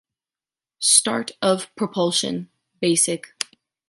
Start of propulsion (basic).